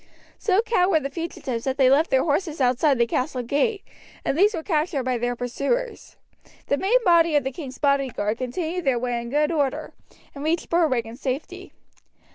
So cowed were the fugitives that they left their horses outside the castle gate, and these were captured by their pursuers. The main body of the king's bodyguard continued their way in good order, and reached Berwick in safety.